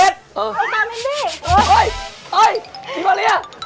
อ้ยดิมเบอร์เรีย